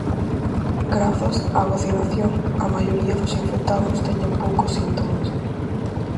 Grazas á vacinación, a maioría dos infectados teñen poucos síntomas.